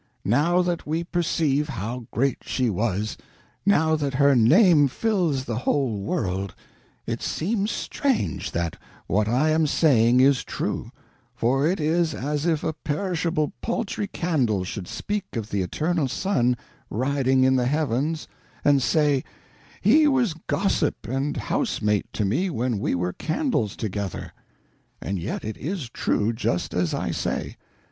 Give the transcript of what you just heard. Now that we perceive how great she was, now that her name fills the whole world, it seems strange that what I am saying is true; for it is as if a perishable paltry candle should speak of the eternal sun riding in the heavens and say, "He was gossip and housemate to me when we were candles together." And yet it is true, just as I say.